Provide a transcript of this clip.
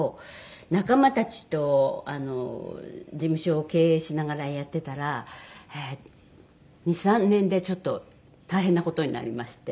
仲間たちと事務所を経営しながらやってたら２３年でちょっと大変な事になりまして。